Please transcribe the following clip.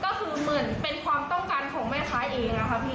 ก็คือเหมือนเป็นความต้องการของแม่ค้าเองค่ะพี่